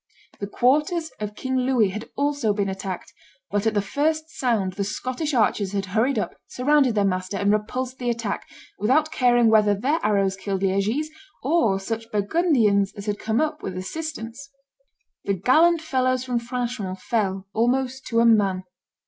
The quarters of King Louis had also been attacked; but at the first sound the Scottish archers had hurried up, surrounded their master, and repulsed the attack, without caring whether their arrows killed Liegese or such Burgundians as had come up with assistance. The gallant fellows from Franchemont fell, almost to a man.